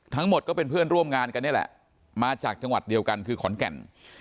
ทั้งหมดก็เป็นเพื่อนร่วมงานกันนี่แหละมาจากจังหวัดเดียวกันคือขอนแก่น